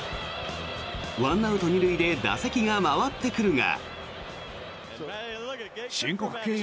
１アウト２塁で打席が回ってくるが。